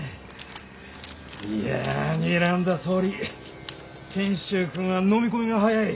いやにらんだとおり賢秀君は飲み込みが早い！